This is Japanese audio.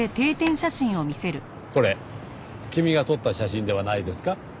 これ君が撮った写真ではないですか？